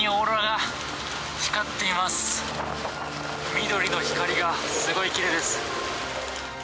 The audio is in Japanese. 緑の光がすごいきれいです。